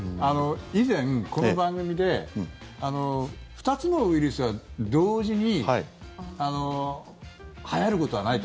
以前、この番組で２つのウイルスは同時にはやることはないと。